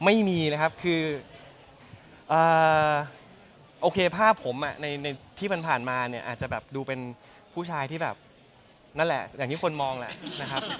ไม่มีนะครับคือโอเคภาพผมในที่ผ่านมาเนี่ยอาจจะแบบดูเป็นผู้ชายที่แบบนั่นแหละอย่างที่คนมองแหละนะครับ